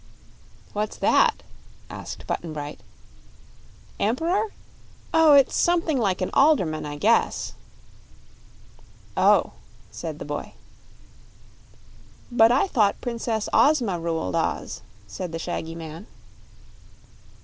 "What's that?" asked Button Bright. "Emp'ror? Oh, it's something like an alderman, I guess." "Oh," said the boy. "But I thought Princess Ozma ruled Oz," said the shaggy man.